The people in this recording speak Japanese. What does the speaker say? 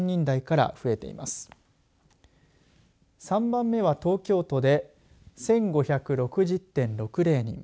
３番目は東京都で１５６０．６０人。